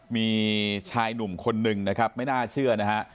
มีชายหนุ่มคนหนึ่งนะครับไม่น่าเชื่อนะฮะ